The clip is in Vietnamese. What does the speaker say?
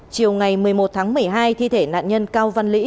chiều ngày một mươi một tháng một mươi hai thi thể nạn nhân cao văn lĩnh